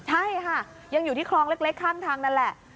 ใช่ค่ะยังอยู่ที่คลองเล็กข้างทางนั่นแหละ